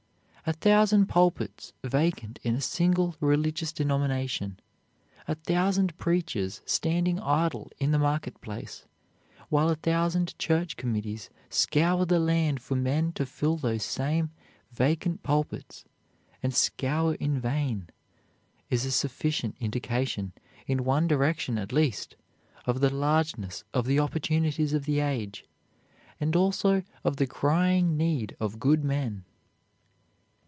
A thousand pulpits vacant in a single religious denomination, a thousand preachers standing idle in the market place, while a thousand church committees scour the land for men to fill those same vacant pulpits, and scour in vain, is a sufficient indication, in one direction at least, of the largeness of the opportunities of the age, and also of the crying need of good men.